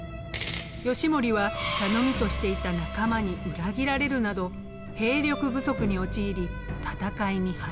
義盛は頼みとしていた仲間に裏切られるなど兵力不足に陥り戦いに敗北。